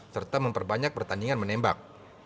serta memperbanyak pertandingan menembak